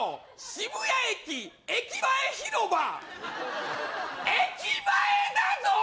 渋谷駅駅前広場駅前だぞー！